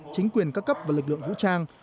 chính quyền các cấp và lực lượng vũ trang